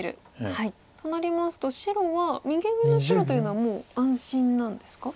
となりますと白は右上の白というのはもう安心なんですか？